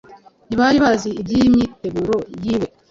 ntibari bazi iby’iyi myiteguro yiwe